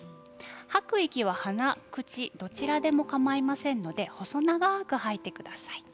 吐く息は鼻、口どちらでもかまいませんので細長く吐いてください。